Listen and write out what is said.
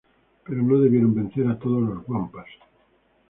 Pero no debieron vencer a todos los wampas.